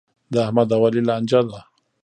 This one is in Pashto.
د احمد او علي لانجه ده.